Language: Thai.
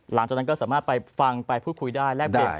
หลังจากนั้นก็สามารถไปฟังไปพูดคุยได้